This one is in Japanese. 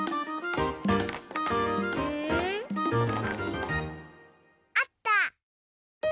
うん？あった！